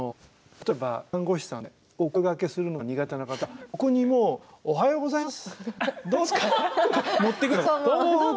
例えば看護師さんでお声がけするのが苦手な方はここにもう「おはようございます。